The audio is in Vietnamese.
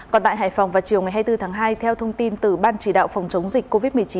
còn tại hải phòng vào chiều ngày hai mươi bốn tháng hai theo thông tin từ ban chỉ đạo phòng chống dịch covid một mươi chín